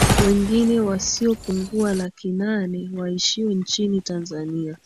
wengine wasiopungua laki nane waishio nchini Tanzania